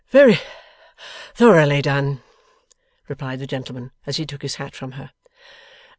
'Very thoroughly done,' replied the gentleman, as he took his hat from her.